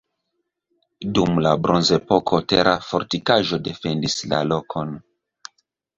Dum la bronzepoko tera fortikaĵo defendis la lokon.